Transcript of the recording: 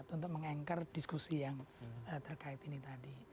untuk mengengker diskusi yang terkait ini tadi